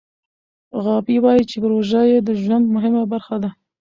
غابي وايي چې روژه یې د ژوند مهمه برخه ده.